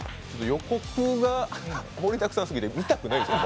予告が盛りだくさん過ぎて、見たくないんですよ。